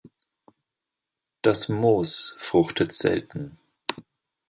Das Moos fruchtet selten.